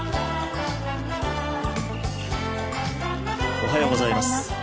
おはようございます。